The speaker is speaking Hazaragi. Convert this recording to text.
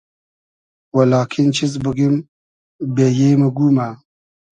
و لاکین چیز بوگیم بېیې مۉ گومۂ